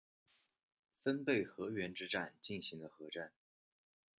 分倍河原之战进行的合战。